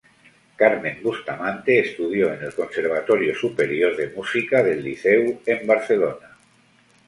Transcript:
Carmen Bustamante estudió en el Conservatorio Superior de Música del Liceu en Barcelona.